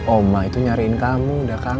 oma itu nyariin kamu udah kang